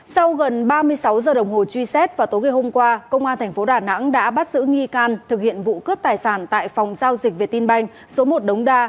sau gần ba mươi sáu giờ đồng hồ truy xét vào tối ngày hôm qua công an tp đà nẵng đã bắt giữ nghi can thực hiện vụ cướp tài sản tại phòng giao dịch việt tin banh số một đống đa